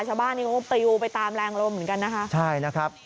ชาวบ้านยังตะยูไปตามแรงลมเหมือนกัน